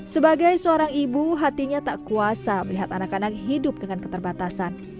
sebagai seorang ibu hatinya tak kuasa melihat anak anak hidup dengan keterbatasan